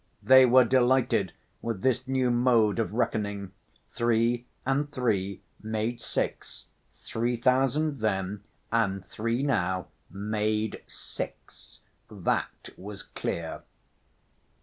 They were delighted with this new mode of reckoning; three and three made six, three thousand then and three now made six, that was clear.